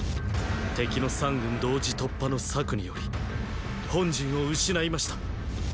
敵の三軍同時突破の策により本陣を失いました。